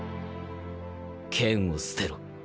剣を捨てろ。